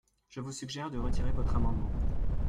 Je vous suggère de retirer votre amendement.